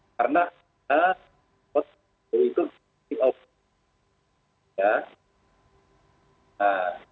karena pak waldus itu dioperasi